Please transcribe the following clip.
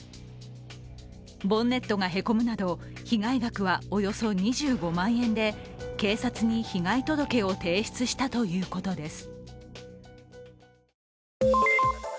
ボンネットがへこむなど被害額はおよそ２５万円で、警察に被害届を提出したということです。